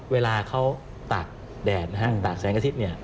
เวลาเขาตากแดดนะฮะตากแสงอาทิตย์เนี่ย